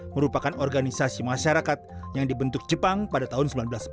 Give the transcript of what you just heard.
merupakan organisasi masyarakat yang dibentuk jepang pada tahun seribu sembilan ratus empat puluh